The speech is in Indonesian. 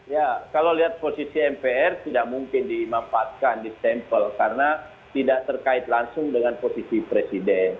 ya kalau lihat posisi mpr tidak mungkin dimanfaatkan di stempel karena tidak terkait langsung dengan posisi presiden